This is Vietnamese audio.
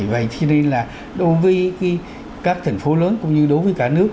vậy thế nên là đối với các thành phố lớn cũng như đối với cả nước